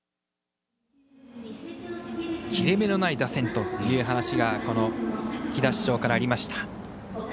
切れ目のない打線という話がこの来田主将からありました。